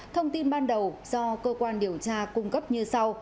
thông tin ban đầu do cơ quan điều tra cung cấp như sau